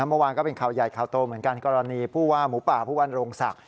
เมื่อวานก็เป็นข่าวใหญ่ข่าวโตเหมือนกันกรณีผู้ว่าหมูป่าผู้วันโรงศักดิ